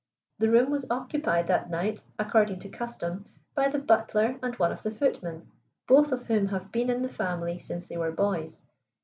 The room was occupied that night, according to custom, by the butler and one of the footmen, both of whom have been in the family since they were boys.